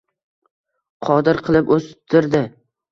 Qodir qilib o’stirdi.